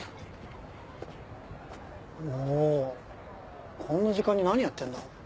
おこんな時間に何やってんだ？